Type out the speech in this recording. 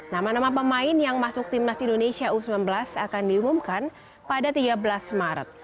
nama nama pemain yang masuk timnas indonesia u sembilan belas akan diumumkan pada tiga belas maret